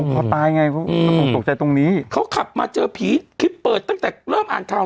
พอตายไงเขาคงตกใจตรงนี้เขาขับมาเจอผีคลิปเปิดตั้งแต่เริ่มอ่านข่าว